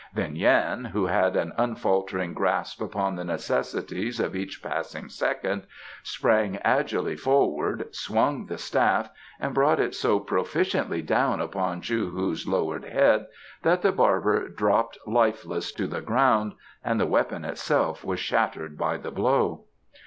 Then Yan, who had an unfaltering grasp upon the necessities of each passing second, sprang agilely forward, swung the staff, and brought it so proficiently down upon Chou hu's lowered head that the barber dropped lifeless to the ground and the weapon itself was shattered by the blow.